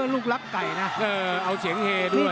ลุงรักไก่นะเออเอาเสียงเฮดด้วย